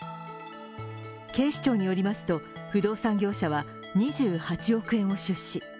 警視庁によりますと、不動産業者は２８億円を出資。